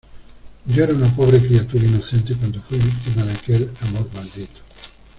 yo era una pobre criatura inocente cuando fuí víctima de aquel amor maldito.